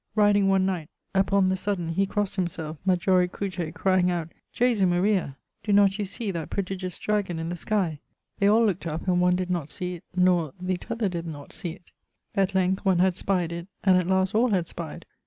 Riding one night, upon the suddaine, he crossed himself majori cruce, crying out[XXXVI.] 'Jesu Maria! doe not you see that prodigious dragon in the sky?' They all lookt up, and one did not see it, nor the tother did not see it. At length one had spyed it, and at last all had spied.